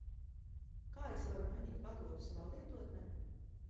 Kā es varu mainīt valodu savā lietotnē?